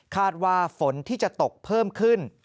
ว่าฝนที่จะตกเพิ่มขึ้น